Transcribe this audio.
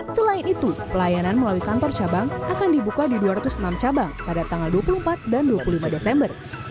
selain itu pelayanan melalui kantor cabang akan dibuka di dua ratus enam cabang pada tanggal dua puluh empat dan dua puluh lima desember